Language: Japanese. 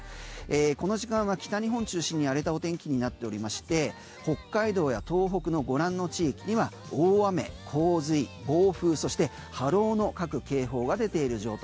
この時間は北日本を中心に荒れたお天気になっておりまして北海道や東北のご覧の地域には大雨、洪水、暴風そして波浪の各警報が出ている状態。